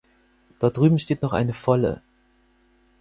Dort drüben steht noch eine volle.